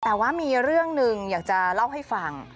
แต่ว่ามีเรื่องหนึ่งอยากจะเล่าให้ฟัง